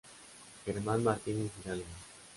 Germán Martínez Hidalgo.